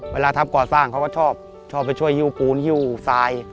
เวลาทำก่อสร้างเขาก็ชอบชอบไปช่วยฮิ้วปูนหิ้วทราย